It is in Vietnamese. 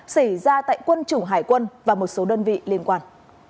xảy ra tại quân chủng hải quân và một số đơn vị liên quan